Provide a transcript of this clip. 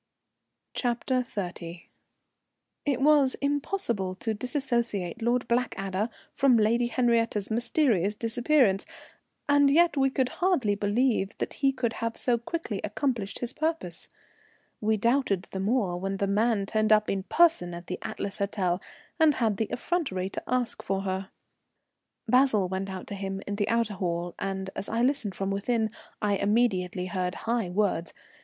CHAPTER XXX. It was impossible to disassociate Lord Blackadder from Lady Henriette's mysterious disappearance, and yet we could hardly believe that he could have so quickly accomplished his purpose. We doubted the more when the man turned up in person at the Atlas Hotel and had the effrontery to ask for her. Basil went out to him in the outer hall, and, as I listened from within, I immediately heard high words.